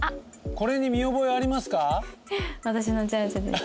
これに見覚えありますか？